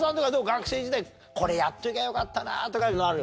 学生時代これやっときゃよかったなとかいうのある？